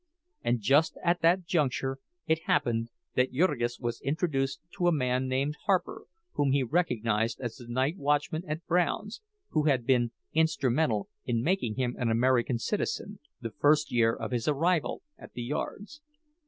And just at that juncture it happened that Jurgis was introduced to a man named Harper whom he recognized as the night watchman at Brown's, who had been instrumental in making him an American citizen, the first year of his arrival at the yards.